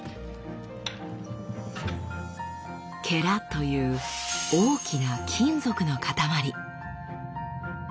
「」という大きな金属の塊。